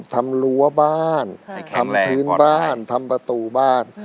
รั้วบ้านทำพื้นบ้านทำประตูบ้าน